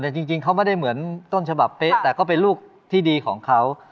แต่จริงเขาไม่ได้เหมือนต้นฉบับเป๊ะแต่ก็เป็นลูกที่ดีของเขา